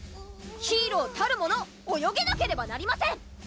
ヒーローたるもの泳げなければなりません！